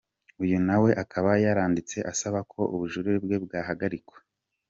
Uyu na we akaba yaranditse asaba ko ubujurire bwe bwahagarikwa.